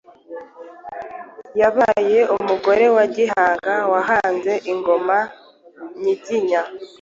Yabaye umugore wa Gihanga, wahanze ingoma nyiginya.